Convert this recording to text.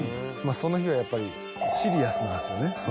その日はやっぱりシリアスなんですよね